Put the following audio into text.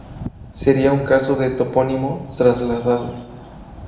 Sería un caso de topónimo trasladado.